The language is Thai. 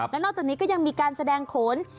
และนอกจากนี้ก็ยังมีการแสดงโขน